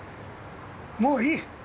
もういい。